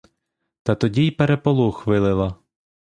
Та тоді й переполох вилила.